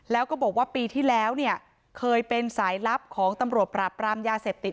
แล้วก็บอกว่าปีที่แล้วเนี่ยเคยเป็นสายลับของตำรวจปราบปรามยาเสพติด